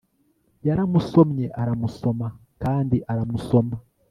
Yaramusomye aramusoma kandi aramusoma